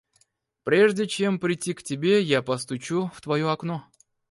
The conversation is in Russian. Прежде, чем придти к тебе, я постучу в твоё окно.